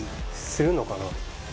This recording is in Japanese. するのかな？